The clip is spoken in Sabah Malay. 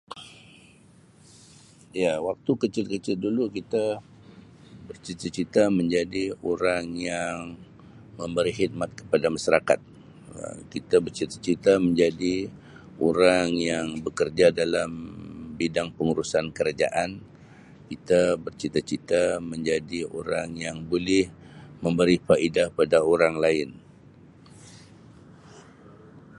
Ya waktu kecil-kecil dulu kita bercita-cita menjadi orang yang memberi khidmat kepada masyarakat Um kita bercita-cita menjadi orang yang bekerja dalam bidang pengurusan kerajaan, kita bercita-cita menjadi orang yang boleh memberi faedah pada orang lain.